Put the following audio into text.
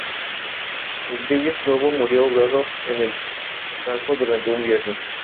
Fue coetáneo de Ezequiel y anterior a Daniel.